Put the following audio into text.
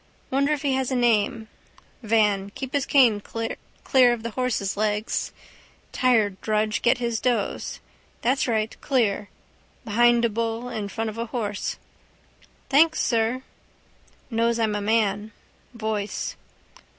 Wonder if he has a name. Van. Keep his cane clear of the horse's legs: tired drudge get his doze. That's right. Clear. Behind a bull: in front of a horse. —Thanks, sir. Knows I'm a man. Voice.